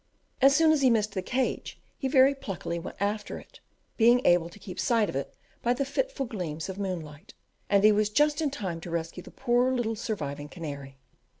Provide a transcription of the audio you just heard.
As soon as he missed the cage he very pluckily went after it, being able to keep sight of it by the fitful gleams of moon light, and he was just in time to rescue the poor little surviving canary.